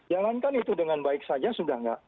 jalankan itu dengan baik saja sudah nggak